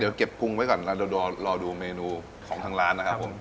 เดี๋ยวเก็บกุ้งไว้ก่อนแล้วเดี๋ยวรอดูเมนูของทางร้านนะครับผม